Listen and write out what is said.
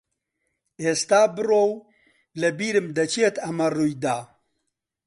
ئێستا بڕۆ و لەبیرم دەچێت ئەمە ڕووی دا.